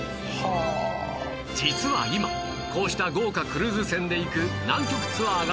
実は今こうした豪華クルーズ船で行く南極ツアーが